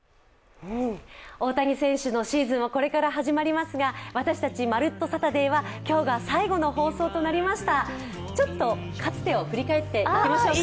大谷選手のシーズンはこれから始まりますが私たち、「まるっと！サタデー」は今日が最後の放送となりました。ちょっとかつてを振り返っていきましょうか。